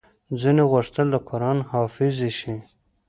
ځينو غوښتل د قران حافظې شي